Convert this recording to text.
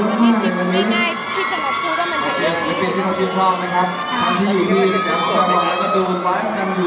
มันต้องลงไปตอนที่ได้